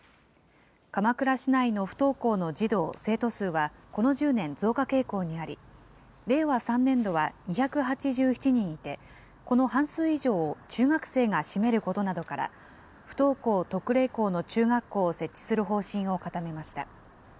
鎌倉市内の不登校の児童・生徒数はこの１０年、増加傾向にあり、令和３年度は２８７人いて、この半数以上を中学生が占めることなどから、不登校特例校の中学校を設置する方針を固めました。